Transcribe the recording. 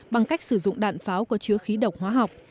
bằng cách sử dụng đạn pháo có chứa khí độc hóa học